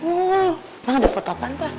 emang ada foto apaan pak